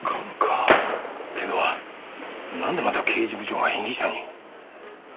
けどなんでまた刑事部長が被疑者に？